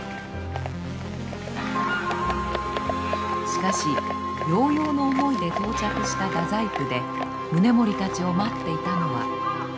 しかしようようの思いで到着した太宰府で宗盛たちを待っていたのは。